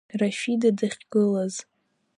Рафида дахьгылаз…